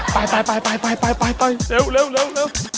ไปเร็ว